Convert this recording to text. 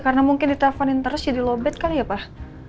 karena mungkin diteleponin terus jadi lowbat kali ya pak